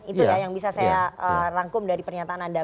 itu ya yang bisa saya rangkum dari pernyataan anda